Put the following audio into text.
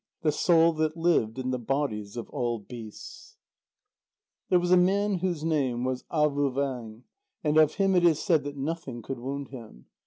THE SOUL THAT LIVED IN THE BODIES OF ALL BEASTS There was a man whose name was Avôvang. And of him it is said that nothing could wound him.